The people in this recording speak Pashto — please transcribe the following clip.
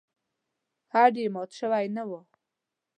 هډ یې مات شوی نه و.